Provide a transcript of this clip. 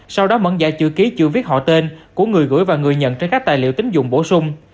sau đó mẫn giải chữ ký chữ viết họ tên của người gửi và người nhận trên các tài liệu tính dụng bổ sung